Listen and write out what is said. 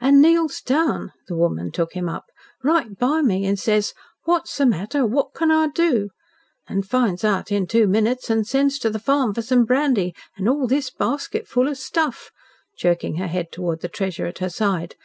"And kneels down," the woman took him up, "right by me an' says, 'What's the matter? What can I do?' an' finds out in two minutes an' sends to the farm for some brandy an' all this basketful of stuff," jerking her head towards the treasure at her side.